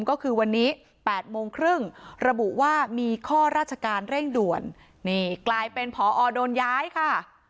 ก็คือวันนี้๘โมงครึ่งระบุว่ามีข้อราชการเร่งด่วนนี่กลายเป็นพอโดนย้ายค่ะ